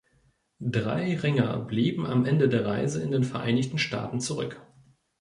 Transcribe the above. Drei Ringer blieben am Ende der Reise in den Vereinigten Staaten zurück.